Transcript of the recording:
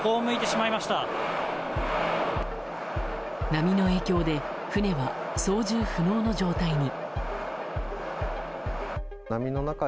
波の影響で船は操縦不能の状態に。